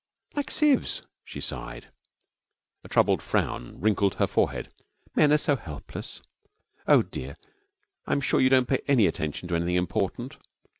'Like sieves!' She sighed. A troubled frown wrinkled her forehead. 'Men are so helpless! Oh, dear, I'm sure you don't pay any attention to anything important.